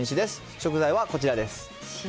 食材はこちらです。